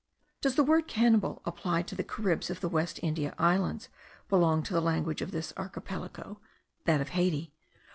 Does the word cannibal, applied to the Caribs of the West India Islands, belong to the language of this archipelago (that of Haiti)?